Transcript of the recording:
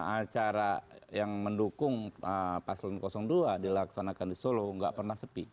acara yang mendukung paslon dua dilaksanakan di solo nggak pernah sepi